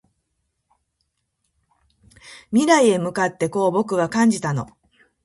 未来へ向かってこう僕は感じたの